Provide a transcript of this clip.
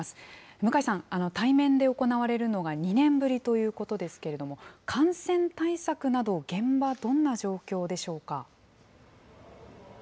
向井さん、対面で行われるのが２年ぶりということですけれども、感染対策など、現場、どんな状況でしょうか。